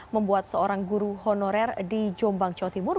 membuat seorang guru honorer di jombang jawa timur